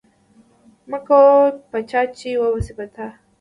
مکوه په چا چې وبه شي په تا.